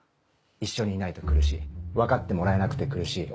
一緒にいないと苦しい分かってもらえなくて苦しい。